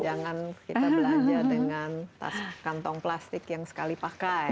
jangan kita belanja dengan tas kantong plastik yang sekali pakai